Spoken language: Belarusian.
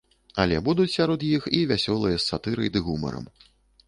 Але будуць сярод іх і вясёлыя, з сатырай ды гумарам.